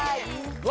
うわ！